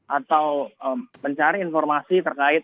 atau mencari informasi terkait